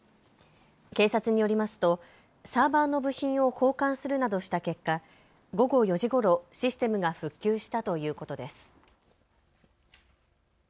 警察によりますとサーバーの部品を交換するなどした結果、午後４時ごろシステムが復旧したということです。